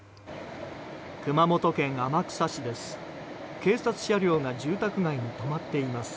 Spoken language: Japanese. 熊本県天草市です。